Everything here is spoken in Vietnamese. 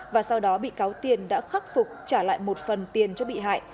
và sau đó bị cáo tiền đã khắc phục trả lại một phần tiền cho bị hại